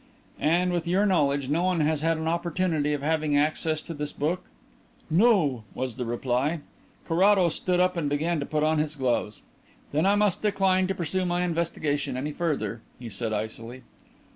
"And, with your knowledge, no one has had an opportunity of having access to this book?" "No," was the reply. Carrados stood up and began to put on his gloves. "Then I must decline to pursue my investigation any further," he said icily.